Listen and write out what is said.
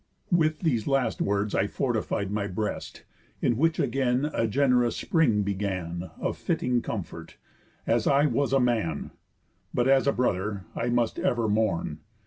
With these last words I fortified my breast, In which again a gen'rous spring began Of fitting comfort, as I was a man; But, as a brother, I must ever mourn.